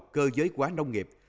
cơ giới hóa nông nghiệp